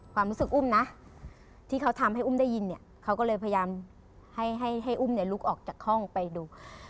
ความรู้สึกอุ้มนะที่เขาทำให้อุ้มได้ยินเนี่ยเขาก็เลยพยายามให้ให้อุ้มเนี่ยลุกออกจากห้องไปดู